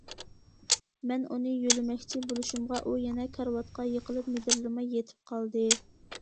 مەن ئۇنى يۆلىمەكچى بولۇشۇمغا ئۇ يەنە كارىۋاتقا يىقىلىپ مىدىرلىماي يېتىپ قالدى.